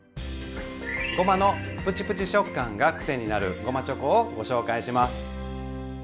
ごまのプチプチ食感がくせになるごまチョコをご紹介します。